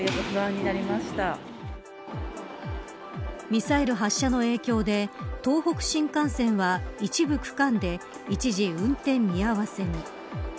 ミサイル発射の影響で東北新幹線は一部区間で一時、運転見合わせに。